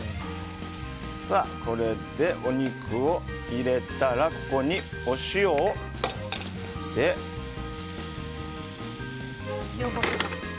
これで、お肉を入れたらここにお塩を振って。